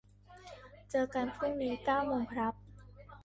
เจอกันพรุ่งนี้ เก้าโมงครับ